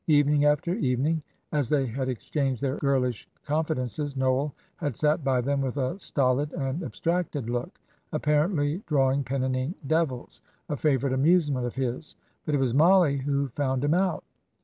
Evening after evening, as they had exchanged their girlish confidences, Noel had sat by them with a stolid and abstracted look, apparently drawing pen and ink devils a favourite amusement of his; but it was Mollie who found him out.